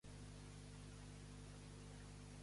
A quina ciutat antiga podem trobar-ne diversos?